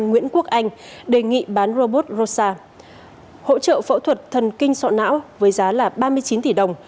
nguyễn quốc anh đề nghị bán robot rosa hỗ trợ phẫu thuật thần kinh sọ não với giá là ba mươi chín tỷ đồng